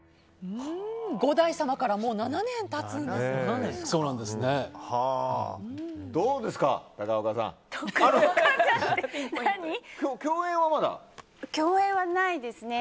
五代様からもう７年経つんですね。